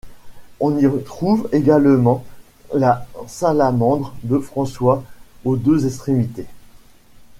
On y trouve également la salamandre de François aux deux extrémités.